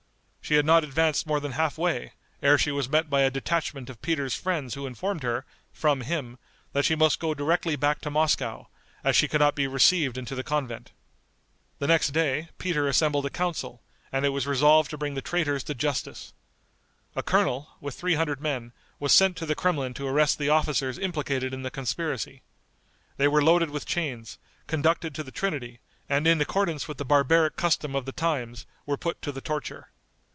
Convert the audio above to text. She had not advanced more than half way, ere she was met by a detachment of Peter's friends who informed her, from him, that she must go directly back to Moscow, as she could not be received into the convent. The next day Peter assembled a council, and it was resolved to bring the traitors to justice. A colonel, with three hundred men, was sent to the Kremlin to arrest the officers implicated in the conspiracy. They were loaded with chains, conducted to the Trinity, and in accordance with the barbaric custom of the times were put to the torture.